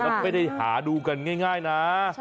ไม่ได้หาดูกันง่ายนะ